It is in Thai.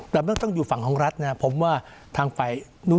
แต่มันต้องอยู่ฝั่งของรัฐนะผมว่าทางฝ่ายนู้น